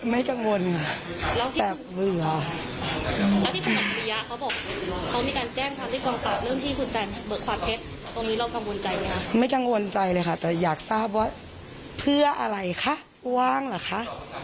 ไม่จังงวนใจเลยค่ะแต่อยากทราบว่าเพื่ออะไรคะว่างเหรอคะ